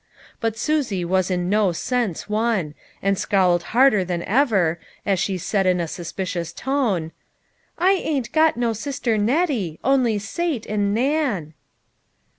But Susie was in no sense won, and scowled harder than ever, as she said in a suspicious tone :" I ain't got no sister Nettie, only Sate, and Nan."